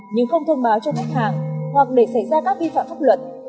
nhưng không thông báo cho khách hàng hoặc để xảy ra các vi phạm pháp luật